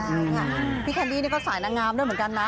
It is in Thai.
ใช่ค่ะพี่แคนดี้นี่ก็สายนางงามด้วยเหมือนกันนะ